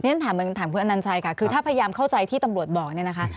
ฉันถามคุณอนัญชัยค่ะคือถ้าพยายามเข้าใจที่ตำรวจบอกเนี่ยนะคะ